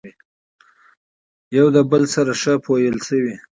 يوه له بل سره ښه پويل شوي،